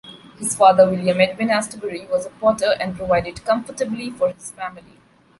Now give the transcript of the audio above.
His father, William Edwin Astbury, was a potter and provided comfortably for his family.